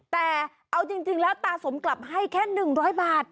แต่เอาจริงแล้วตาสมกลับให้แค่๑๐๐บาท